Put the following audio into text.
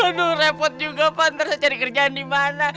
aduh repot juga pak ntar saya cari kerjaan di mana